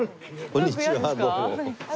こんにちは。